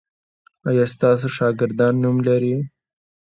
ایا ستاسو شاګردان نوم نلري؟